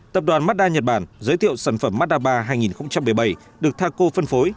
tập đoàn mada nhật bản giới thiệu sản phẩm mada ba hai nghìn một mươi bảy được thaco phân phối